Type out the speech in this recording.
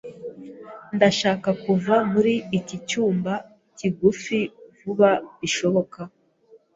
Ndashaka kuva muri iki cyumba kigufi vuba bishoboka.